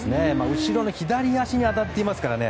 後ろの左足に当たっていますからね。